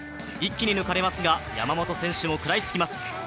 一気に抜かれますが山本選手も食らいつきます。